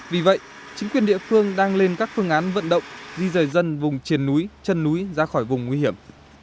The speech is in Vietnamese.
vì vậy chính quyền địa phương đang lên các phương án vận động di rời dân vùng triền núi chân núi ra khỏi vùng nguy hiểm